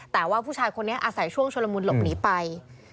แต่ว่าผู้ชายคนนี้อาศัยช่วงชุลมุนหลบหนีไป